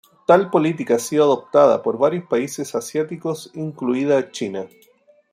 Tal política ha sido adoptada por varios países asiáticos, incluida China.